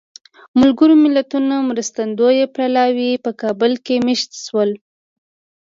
ملګرو ملتونو مرستندویه پلاوی په کابل کې مېشت شول.